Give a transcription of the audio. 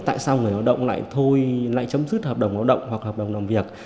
tại sao người lao động lại chấm dứt hợp đồng lao động hoặc hợp đồng làm việc